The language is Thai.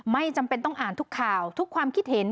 ไม่จำเป็นต้องอ่านทุกข่าวทุกความคิดเห็น